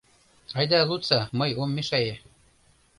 Айда лудса, мый ом мешае.